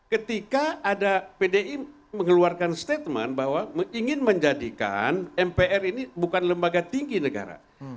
ketika ada pdi mengeluarkan statement bahwa ingin menjadikan mpr ini bukan lembaga tinggi negara